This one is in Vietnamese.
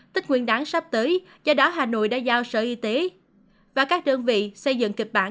tích nguyên đáng sắp tới do đó hà nội đã giao sở y tế và các đơn vị xây dựng kịch bản